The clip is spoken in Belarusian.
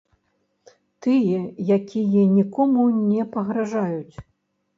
Тыя, якія нікому не пагражаюць.